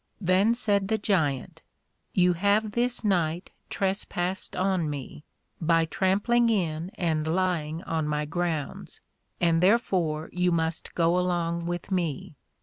Then said the Giant, You have this night trespassed on me, by trampling in and lying on my grounds, and therefore you must go along with me.